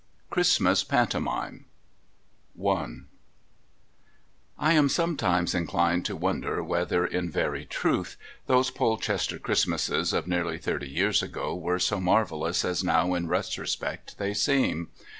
CHRISTMAS PANTOMIME I I am sometimes inclined to wonder whether, in very truth, those Polchester Christmases of nearly thirty years ago were so marvellous as now in retrospect they seem.